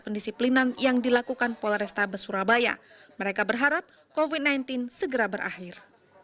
pendisiplinan yang dilakukan polrestabes surabaya mereka berharap covid sembilan belas segera berakhir